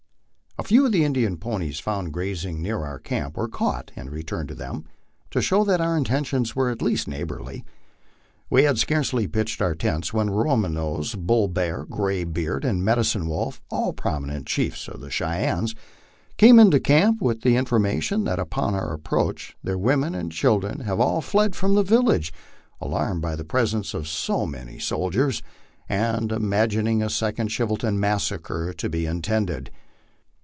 A few of the Indian ponies found grazing near our camp were caught and returned to them, to show that our intentions were at least neighborly. We had scarcely pitched our tents when Roman Nose, Bull Bear, Gray Beard, and Medicine Wolf, all prominent chiefs of the Chey ennes, came into camp, with the information that upon our approach their women and children had all fled from the village, alarmed by the presence of so many soldiers, and imagining a second Chivington massacre to be intended.